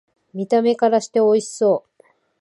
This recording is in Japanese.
見た目からしておいしそう